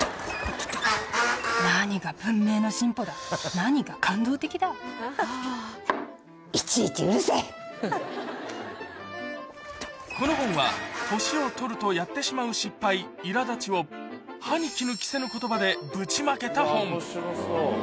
何が文明の進歩だ、この本は、年を取るとやってしまう失敗、いらだちを、歯に衣着せぬことばでぶちまけた本。